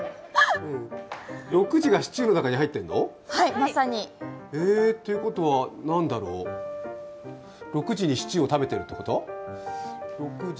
６時がシチューの中に入ってんの？ということは何だろう６時にシチューを食べてるってこと？